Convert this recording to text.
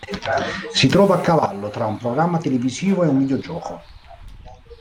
Si trova a cavallo tra un programma televisivo e un videogioco.